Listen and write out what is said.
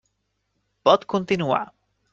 Pot continuar.